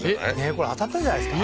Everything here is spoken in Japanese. これ当たったんじゃないですか？